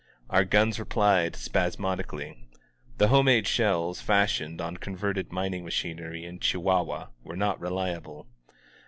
Our guns replied spasmodically. The home made shells, fashioned on converted mining ma chinery in Chihuahua, were not reliable.